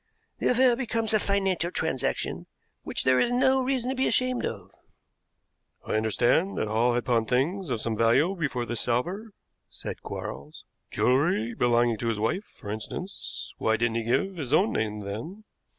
The affair becomes a financial transaction which there is no reason to be ashamed of." "I understood that Hall had pawned things of some value before this salver," said Quarles; "jewelry belonging to his wife, for instance. Why didn't he give his own name then?"